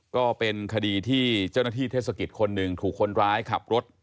ก็เป็นคดีที่เจ้าหน้าที่เทศกิจคนหนึ่งถูกคนร้ายขับรถ